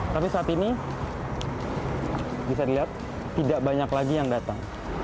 tapi saat ini bisa dilihat tidak banyak lagi yang datang